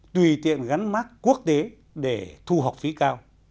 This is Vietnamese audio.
tùy tiện gắn mắt quốc tế để thu học phí cao